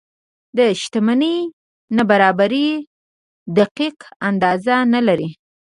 د شتمنۍ نابرابرۍ دقیقه اندازه نه لري.